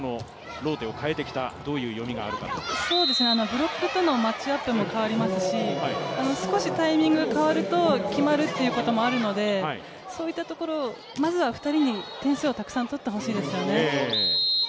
ブロックとのマッチアップも変わりますし、少しタイミングが変わると決まるということもあるのでそういったところをまずは２人に点数をたくさん取ってほしいですね。